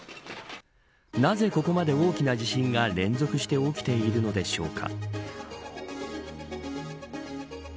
なぜここまで大きな地震が連続して起きているのでしょうか。